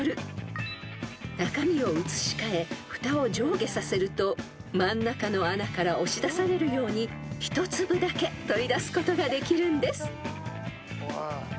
［中身を移し替えふたを上下させると真ん中の穴から押し出されるように１粒だけ取り出すことができるんです］